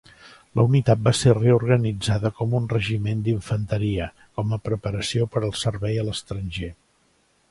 La unitat va ser reorganitzada com un regiment d'infanteria com a preparació per al servei a l'estranger.